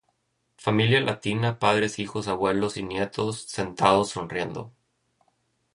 Familia latina, padres, hijos, abuelos y nietos sentados sonriendo.